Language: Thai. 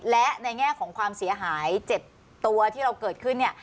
และในแง่ของความเสียหาย๗ตัวที่เราเกิดขึ้นเนี่ย